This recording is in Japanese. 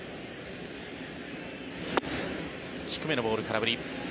低めのボール、空振り。